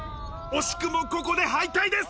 惜しくもここで敗退です。